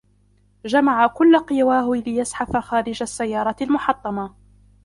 جمع كل قواه ليزحف خارج السيارة المحطمة.